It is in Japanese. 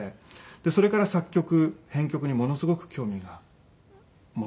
それから作曲編曲にものすごく興味が持って。